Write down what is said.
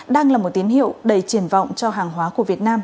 đang là một tín hiệu đầy triển vọng cho hàng hóa của việt nam